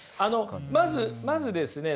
まずまずですね